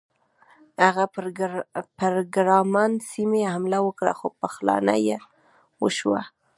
هغه پر ګرمان سیمې حمله وکړه خو پخلاینه وشوه.